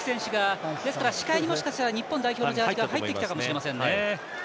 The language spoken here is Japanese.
各選手がですから、視界に日本代表のジャージが入ってきたかもしれませんね。